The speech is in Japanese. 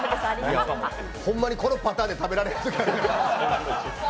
ほんまにこのパターンで食べられへんときあるから。